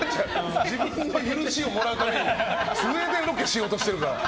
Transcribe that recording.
自分で許しをもらうためにスウェーデンロケしようとしてるから。